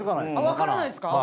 分からないですか？